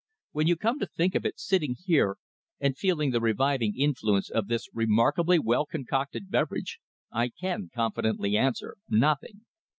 "When you come to think of it, sitting here and feeling the reviving influence of this remarkably well concocted beverage, I can confidently answer 'Nothing.'